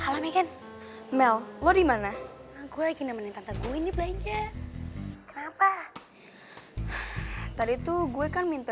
halamegen mel lo dimana gue gini menikah gue ini belanja kenapa tadi tuh gue kan minta